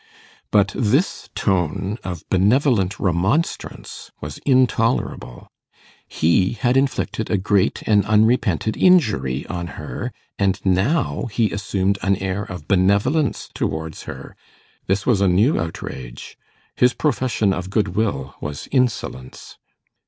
But this tone of benevolent remonstrance was intolerable. He had inflicted a great and unrepented injury on her, and now he assumed an air of benevolence towards her. This was a new outrage. His profession of goodwill was insolence.